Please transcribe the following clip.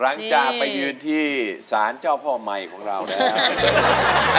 หลังจากไปยืนที่สารเจ้าพ่อใหม่ของเรานะครับ